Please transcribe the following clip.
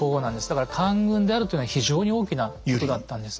だから官軍であるというのは非常に大きなことだったんですね。